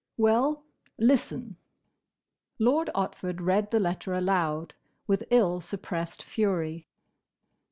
"Well, listen." Lord Otford read the letter aloud, with ill suppressed fury.